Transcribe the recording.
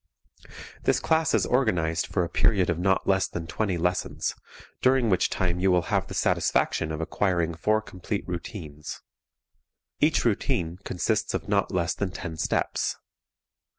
This class is organized for a period of not less than twenty lessons, during which time you will have the satisfaction of acquiring four complete routines. Each routine consists of not less than ten steps.